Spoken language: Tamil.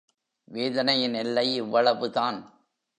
வேதனையின் எல்லை இவ்வளவுதான்.